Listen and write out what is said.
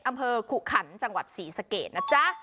อำเภอขุขันจังหวัดศรีสะเกดนะจ๊ะ